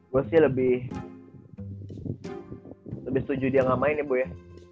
gue sih lebih setuju dia gak main ya bu ya